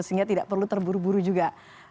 sehingga tidak perlu terburu buru juga